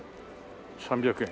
３００円。